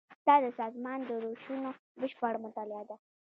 دا د سازمان د روشونو بشپړه مطالعه ده.